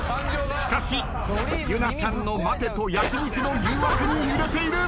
しかし由菜ちゃんの待てと焼き肉の誘惑に揺れている。